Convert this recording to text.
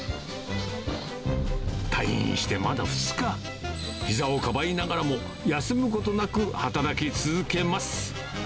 退院してまだ２日、ひざをかばいながらも、休むことなく働き続けます。